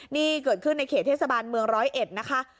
นี่เกิดขึ้นในเขตเทศบาลเมืองร้อยเอ็ดนะคะ